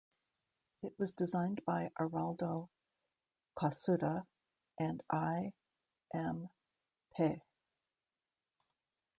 It was designed by Araldo Cossutta and I. M. Pei.